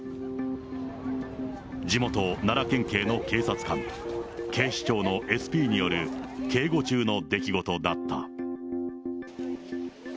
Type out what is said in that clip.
地元、奈良県警の警察官、警視庁のＳＰによる警護中の出来事だった。